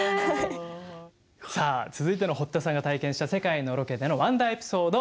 さあ続いての堀田さんが体験した世界のロケでのワンダーエピソード